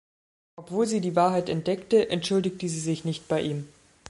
Obwohl sie die Wahrheit entdeckte, entschuldigte sie sich nicht bei ihm.